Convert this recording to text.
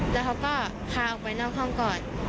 แล้วเขาก็พาออกไปนอกห้องก่อน